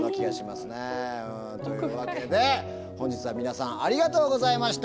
うん。というわけで本日は皆さんありがとうございました。